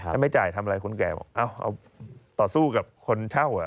ถ้าไม่จ่ายทำอะไรคนแก่บอกเอาต่อสู้กับคนเช่า